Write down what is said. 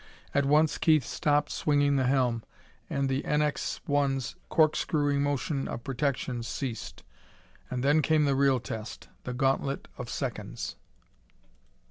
At once Keith stopped swinging the helm, and the NX 1's corkscrewing motion of protection ceased. And then came the real test, the gauntlet of seconds.